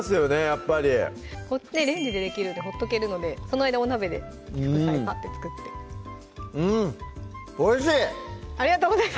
やっぱりレンジでできるんでほっとけるのでその間お鍋で副菜ぱって作ってうんおいしい！